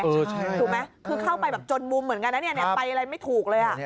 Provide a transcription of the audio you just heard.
ถูกไหมคือเข้าไปแบบจนมุมเหมือนกันนะเนี่ยไปอะไรไม่ถูกเลย